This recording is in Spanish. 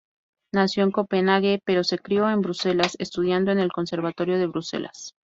Nació en Copenhague, pero se crio en Bruselas, estudiando en el Conservatorio de Bruselas.